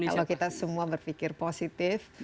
kalau kita semua berpikir positif